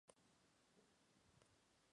Es autor del libro Poemas del mar solo.